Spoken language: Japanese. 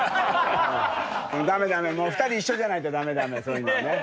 ダメダメ２人一緒じゃないとダメダメそういうのはね。